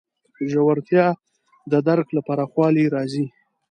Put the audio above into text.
ژورتیا د درک له پراخوالي راځي.